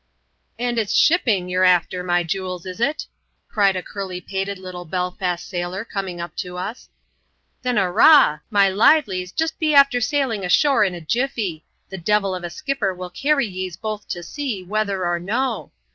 " And it's shippingljer after, my jewels, is it ?" cried a curly pated little Belfast sailor, coming up to us, " thin arrah ! my livelies, jist be after sailing ashore in a jiffy: — the devil of a skipper will carry yees both to sea, whether or no.